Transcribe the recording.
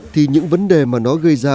thì những vấn đề mà nó gây ra